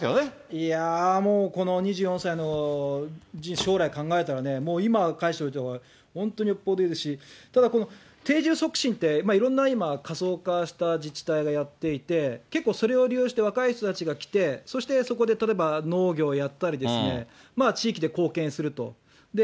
いやもう、この２４歳の将来考えたらね、もう今、返しておいたほうが本当によっぽどいいし、ただ、この定住促進って、今いろんな過疎化した自治体がやっていて、結構それを利用して、若い人たちが来て、そしてそこで例えば農業やったり、地域で貢献すると。